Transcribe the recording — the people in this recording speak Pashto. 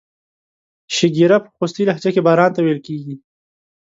شیګیره په خوستی لهجه کې باران ته ویل کیږي.